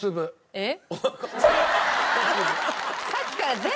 えっ？